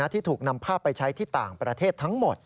ที่ถูกนำภาพไปใช้ที่ต่างประเทศทั้งหมด